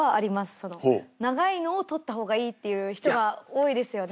その長いのを取った方がいいっていう人が多いですよね